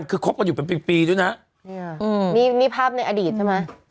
คือคบกันอยู่เป็นเป็นปีด้วยนะเนี่ยนี่ภาพในอดีตใช่ไหม